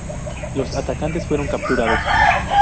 Los atacantes fueron capturados.